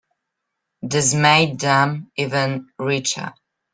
This made them even richer.